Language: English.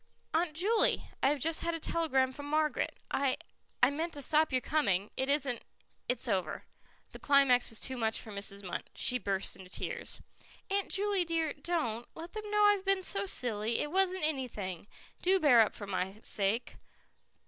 "Aunt Juley, I have just had a telegram from Margaret; I I meant to stop your coming. It isn't it's over." The climax was too much for Mrs. Munt. She burst into tears. "Aunt Juley dear, don't. Don't let them know I've been so silly. It wasn't anything. Do bear up for my sake."